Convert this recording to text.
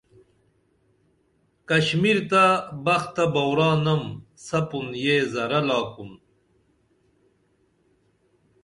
کشمیر تہ بخ تہ بورانم سپُن یہ زرہ لاکُن